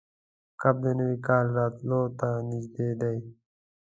کب د نوي کال راتلو ته نږدې ده.